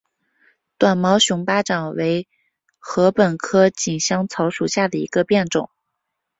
短毛熊巴掌为禾本科锦香草属下的一个变种。